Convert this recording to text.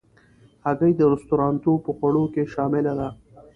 هګۍ د رستورانتو په خوړو کې شامل ده.